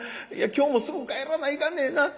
今日もすぐ帰らないかんねんな。